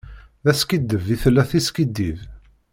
D askiddeb i tella tiskiddib.